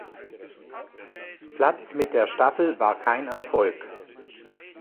Platz mit der Staffel war kein Erfolg.